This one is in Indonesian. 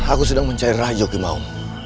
aku sedang mencari rajo kimau